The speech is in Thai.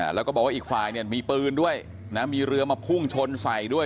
แล้วก็บอกว่าอีกฝ่ายเนี่ยมีปืนด้วยนะมีเรือมาพุ่งชนใส่ด้วย